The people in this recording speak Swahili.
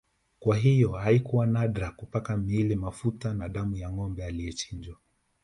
Kwa hiyo haikuwa nadra kupaka miili mafuta na damu ya Ngombe aliyechinjwa